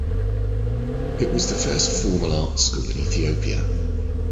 It was the first formal Art school in Ethiopia.